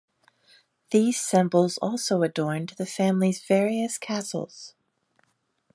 These symbols also adorned the family's various castles.